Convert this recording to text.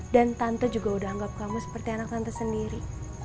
dan tante juga udah anggap kamu seperti anak tante sendiri